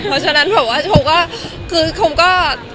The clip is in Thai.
เพราะฉะนั้นผมก็